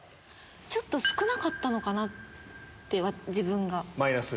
ちょっと少なかったのかなって自分が。